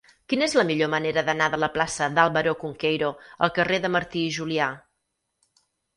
Quina és la millor manera d'anar de la plaça d'Álvaro Cunqueiro al carrer de Martí i Julià?